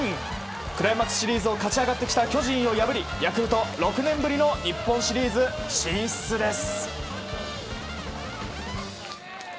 クライマックスシリーズを勝ち上がってきた巨人を破りヤクルト、６年ぶりの日本シリーズ進出です。